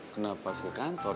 kenapa sih ke kantor